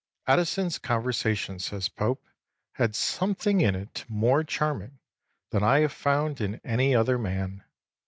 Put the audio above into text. '... 'Addison's conversation,' says Pope, 'had something in it more charming than I have found in any other man.